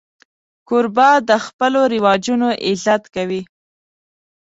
کوربه د خپلو رواجونو عزت کوي.